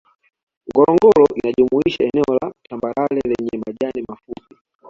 Ngorongoro inajumuisha eneo la tambarare lenye majani mafupi